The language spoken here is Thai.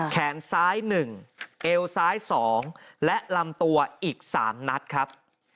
แขนซ้าย๑เอวซ้าย๒และลำตัวอีก๓นัดครับ